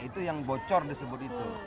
itu yang bocor disebut itu